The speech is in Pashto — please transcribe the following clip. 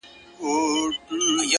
هره پرېکړه د راتلونکي لوری ټاکي’